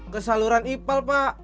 ke saluran ipal pak